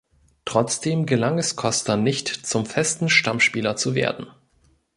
Trotzdem gelang es Costa nicht, zum festen Stammspieler zu werden.